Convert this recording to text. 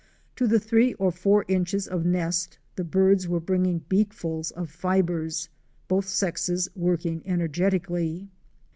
To the three or four inches of nest the birds were bringing beakfuls of fibres, both sexes working energetically.